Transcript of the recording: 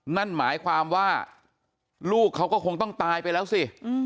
นั่นหมายความว่าลูกเขาก็คงต้องตายไปแล้วสิ